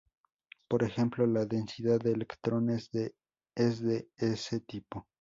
Por ejemplo la densidad de electrones es de ese tipo.